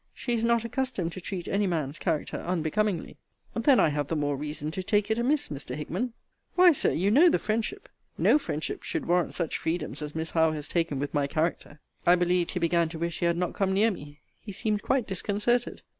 She is not accustomed to treat any man's character unbecomingly. Then I have the more reason to take it amiss, Mr. Hickman. Why, Sir, you know the friendship No friendship should warrant such freedoms as Miss Howe has taken with my character. (I believed he began to wish he had not come near me. He seemed quite disconcerted.)